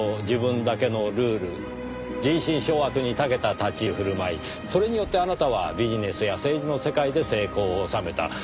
自分だけのルール人心掌握に長けた立ち居振る舞いそれによってあなたはビジネスや政治の世界で成功を収めた。